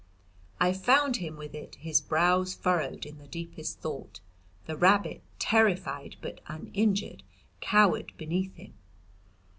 I found him with it, his brows furrowed in the deepest thought. The rabbit, terrified but uninjured, cowered beneath him.